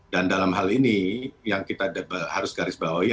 dan dalam hal ini yang kita harus garis bawah ya